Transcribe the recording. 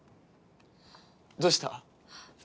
どうした？